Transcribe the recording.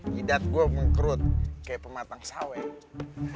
jidat gua mengkrut kayak pematang sawah ya